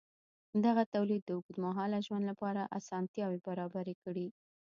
دغه تولید د اوږدمهاله ژوند لپاره اسانتیاوې برابرې کړې.